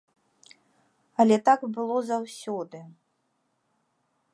Але так было заўсёды.